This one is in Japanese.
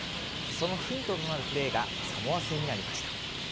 そのヒントとなるプレーがサモア戦にありました。